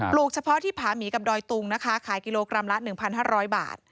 ปลูกเฉพาะที่ผามีกับดอยตุงนะคะขายกิโลกรัมละหนึ่งพันห้าร้อยบาท